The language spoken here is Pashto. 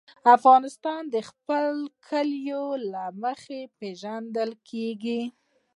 افغانستان د خپلو کلیو له مخې پېژندل کېږي.